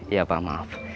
iya pak maaf